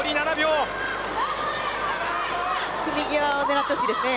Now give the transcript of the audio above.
組み際を狙ってほしいですね。